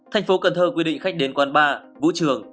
thành phố cần thơ quy định khách đến quán bar vũ trường